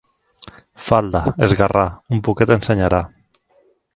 Falda «esgarrà», un poquet ensenyarà.